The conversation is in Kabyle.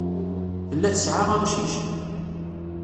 Tella tesɛa amcic.